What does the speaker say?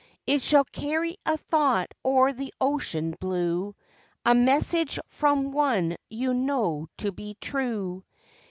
It shall carry a thought o'er ihe ocean blue, a message from one you know to be true.